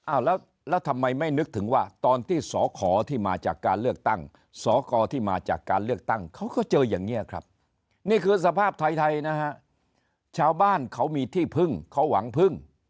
แล้วทำไมไม่นึกถึงว่าตอนที่สอขอที่มาจากการเลือกตั้งสกที่มาจากการเลือกตั้งเขาก็เจออย่างนี้ครับนี่คือสภาพไทยนะฮะชาวบ้านเขามีที่พึ่งเขาหวังพึ่ง